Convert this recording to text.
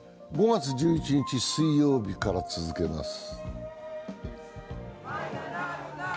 ５月１１日水曜日から続けます。